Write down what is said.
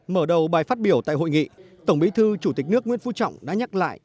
mở đầu bài phát biểu tại hội nghị tổng bí thư chủ tịch nước nguyễn phú trọng đã nhắc lại